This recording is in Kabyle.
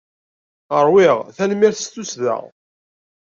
Ṛwiɣ, tanemmirt s tussda!